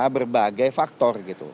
berbagai faktor gitu